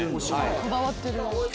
こだわってる。